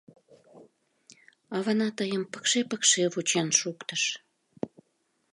Авана тыйым пыкше-пыкше вучен шуктыш.